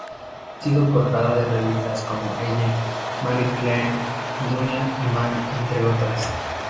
Ha sido portada de revistas como "Elle", "Marie Claire", "Dunia" y "Man", entre otras.